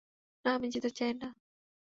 না, আমি যেতে চাই না।